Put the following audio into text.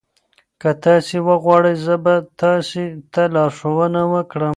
که تاسي وغواړئ زه به تاسي ته لارښوونه وکړم.